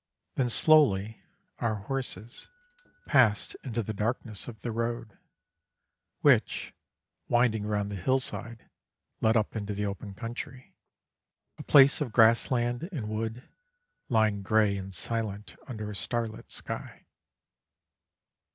Then slowly our horses passed into the darkness of the road, which, winding round the hillside, led up into the open country, a place of grass land and wood, lying grey and silent under a starlit sky.